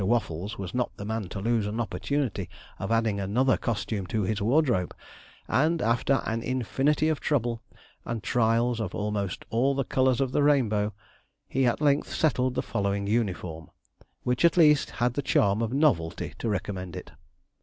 Waffles was not the man to lose an opportunity of adding another costume to his wardrobe, and after an infinity of trouble, and trials of almost all the colours of the rainbow, he at length settled the following uniform, which, at least, had the charm of novelty to recommend it.